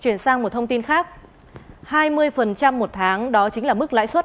chuyển sang một thông tin khác hai mươi một tháng đó chính là mức lãi suất